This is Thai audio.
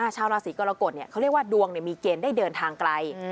ชาวราศีกรกฎเขาเรียกว่าดวงมีเกณฑ์ได้เดินทางไกล